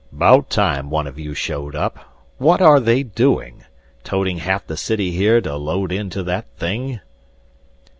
"'Bout time one of you showed up. What are they doing toting half the city here to load into that thing?"